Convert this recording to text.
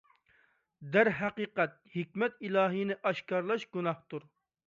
دەرھەقىقەت، ھېكمەت ئىلاھىنى ئاشكارىلاش گۇناھتۇر.